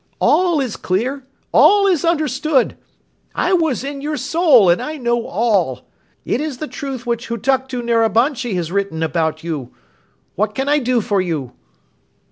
"All is clear, all is understood! I was in your soul and I know all. It is the truth which Hutuktu Narabanchi has written about you. What can I do for you?"